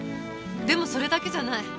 でもそれだけじゃない。